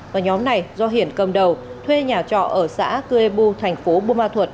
và nhóm này do hiển cầm đầu thuê nhà trọ ở xã cưê bu thành phố bù ma thuật